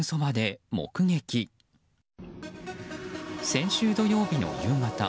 先週土曜日の夕方。